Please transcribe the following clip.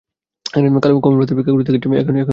কমল প্রাতে ভিক্ষা করিতে গিয়াছে, এখনও ফিরিয়া আসে নাই।